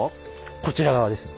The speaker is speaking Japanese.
こちら側ですね。